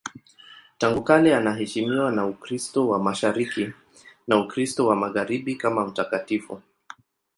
Tangu kale anaheshimiwa na Ukristo wa Mashariki na Ukristo wa Magharibi kama mtakatifu.